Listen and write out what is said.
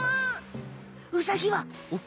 ウサギは？おっ。